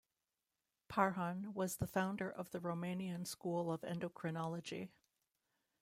Parhon was the founder of the Romanian school of endocrinology.